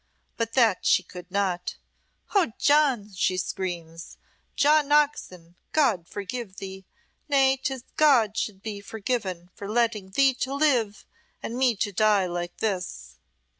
But that she could not. 'Oh, John,' she screams, 'John Oxon, God forgive thee! Nay, 'tis God should be forgiven for letting thee to live and me to die like this!'"